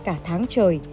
cả tháng trời